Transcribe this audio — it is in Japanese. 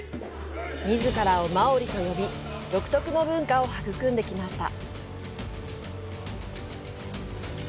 みずからを「マオリ」と呼び独特の文化を育んできました。